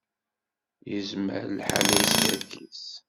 Yezmer lḥal la yeskerkis.